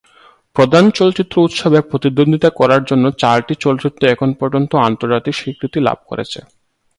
প্রধান চলচ্চিত্র উৎসবে প্রতিদ্বন্দ্বিতা করার জন্য চারটি চলচ্চিত্র এখন পর্যন্ত আন্তর্জাতিক স্বীকৃতি লাভ করেছে।